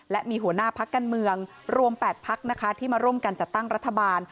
และมีหัวหน้าพักการเมืองรวม๘พักนะคะที่มาร่วมกันจัดตั้งรัฐบาล